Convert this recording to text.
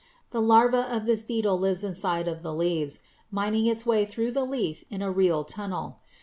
The larva of this beetle lives inside of the leaves, mining its way through the leaf in a real tunnel.